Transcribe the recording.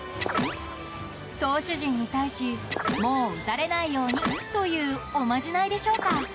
投手陣に対しもう打たれないようにというおまじないでしょうか。